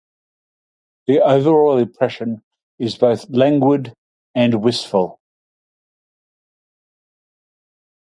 The overall impression is both languid and wistful.